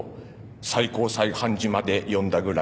最高裁判事まで呼んだぐらいだ。